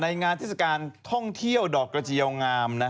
งานเทศกาลท่องเที่ยวดอกกระเจียวงาม